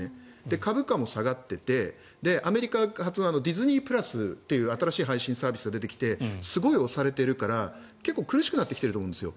株価も下がっていてアメリカ発のディズニープラスという新しい配信サービスが出てきてすごい押されているから結構苦しくなってきていると思うんです。